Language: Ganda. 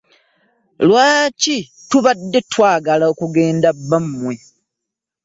Lwaki tubadde twagala okugenda bammwe?